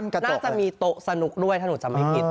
ก็จะมีโต๊ะสนุกด้วยถ้าหนูจำไม่ผิด